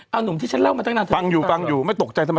เอ้าหนุ่มที่ฉันเล่ามาจังนานเท่านี้ฟังอยู่ไม่ตกใจทำไม